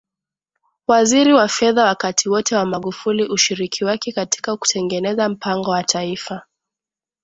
Waziri wa Fedha wakati wote wa Magufuli ushiriki wake katika kutengeneza Mpango wa Taifa